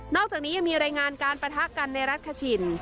อกจากนี้ยังมีรายงานการปะทะกันในรัฐคชิน